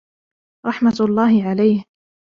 رَحْمَةُ اللَّهِ عَلَيْهِ